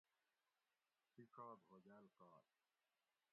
ڷیڄاگ ہوگاۤل کاکۤ